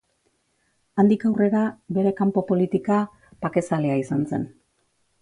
Handik aurrera bere kanpo politika bakezalea izan zen.